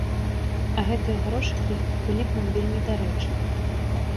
А гэтыя грошыкі былі б нам вельмі дарэчы.